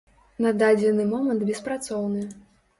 На дадзены момант беспрацоўны.